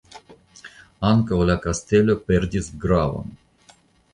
Ankaŭ la kastelo perdis gravon.